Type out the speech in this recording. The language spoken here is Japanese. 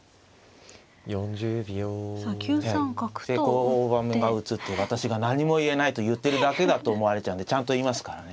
こう大盤が映って私が何も言えないと言ってるだけだと思われちゃうんでちゃんと言いますからね。